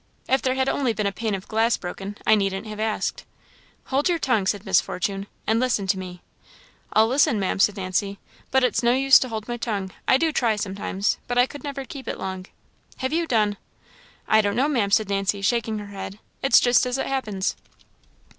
If there had only been a pane of glass broken, I needn't have asked." "Hold your tongue," said Miss Fortune, "and listen to me." "I'll listen, Maam," said Nancy; "but it's no use to hold my tongue. I do try sometimes, but I never could keep it long." "Have you done?" "I don't know, Maam," said Nancy, shaking her head; "it's just as it happens."